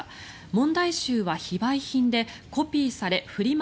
問題集は非売品でコピーされフリマ